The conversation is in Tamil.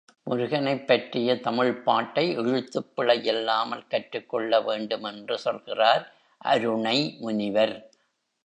முருகனைப் பற்றிய தமிழ்ப் பாட்டை எழுத்துப் பிழை இல்லாமல் கற்றுக் கொள்ள வேண்டும் என்று சொல்கிறார் அருணை முனிவர்.